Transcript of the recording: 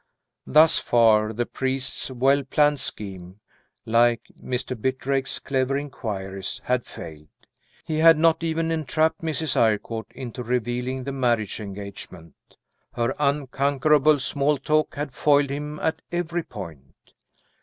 Thus far, the priest's well planned scheme, (like Mr. Bitrake's clever inquiries) had failed. He had not even entrapped Mrs. Eyrecourt into revealing the marriage engagement. Her unconquerable small talk had foiled him at every point.